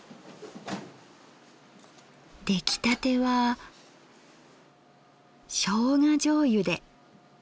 出来たてはしょうがじょうゆで。